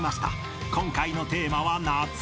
［今回のテーマは夏］